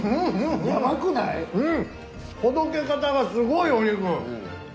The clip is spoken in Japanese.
ほどけ方がすごいお肉。